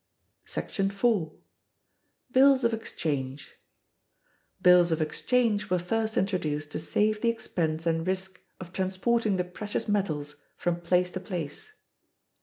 § 4. Bills of Exchange. Bills of exchange were first introduced to save the expense and risk of transporting the precious metals from place to place.